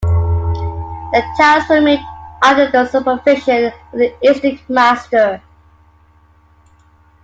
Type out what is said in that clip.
The tiles were made under the supervision of the Iznik master.